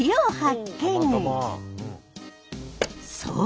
そう！